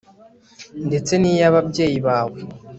ndetse n iy ababyeyi bawe